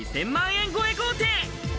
円超え豪邸！